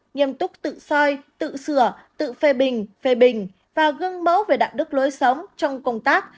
nghiêm túc tự soi tự sửa tự phê bình phê bình và gương mẫu về đạo đức lối sống trong công tác